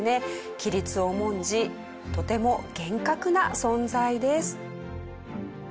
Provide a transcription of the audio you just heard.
規律を重んじとても厳格な存在です。